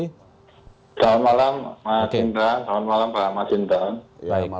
selamat malam mas indra selamat malam pak mas indra